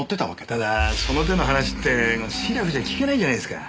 ただその手の話って素面じゃ聞けないじゃないですか。